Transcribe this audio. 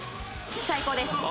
最高です。